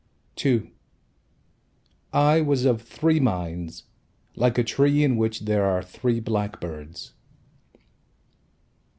II I was of three minds Like a tree In which there are three blackbirds.